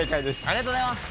ありがとうございます。